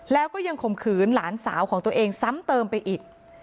แล้วก็ยังข่มขืนหลานสาวของตัวเองซ้ำเติมไปอีก